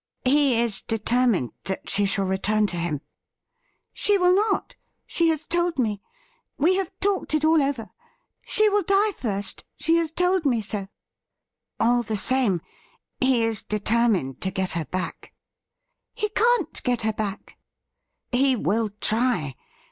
' He is determined that she shall return to him.' ' She will not ; she has told me. We have talked it all over. She will die first ; she has told me so.' • 'AH the same, he is determined to get her back.' 'He can't get her back.' ' He will try.